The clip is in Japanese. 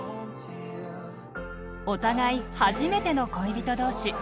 お互い初めての恋人同士。